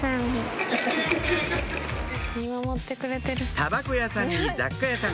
たばこ屋さんに雑貨屋さん